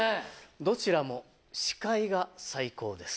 どちらもシカイが最高です。